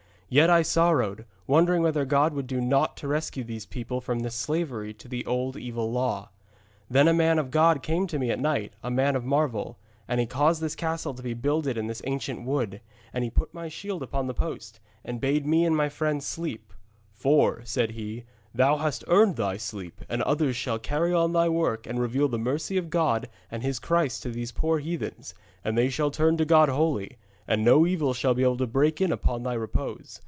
Yet I sorrowed, wondering whether God would do naught to rescue these people from this slavery to the old evil law. Then a man of God came to me at night, a man of marvel, and he caused this castle to be builded in this ancient wood, and he put my shield upon the post, and bade me and my dear friends sleep. 'For,' said he, 'thou hast earned thy sleep, and others shall carry on thy work and reveal the mercy of God and his Christ to these poor heathens, and they shall turn to God wholly. And no evil shall be able to break in upon thy repose.